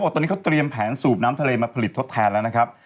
ตอนนี้เขาเตรียมแผนสูบน้ำทะเลมาผลิตทดแทนแล้วนะครับ